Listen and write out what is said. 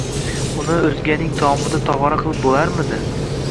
Uni o‘zganing tomida tog‘ora qilib bo‘larmidi?